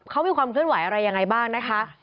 เขามีความเคลื่อนไหวอะไรยังไงบ้างนะคะ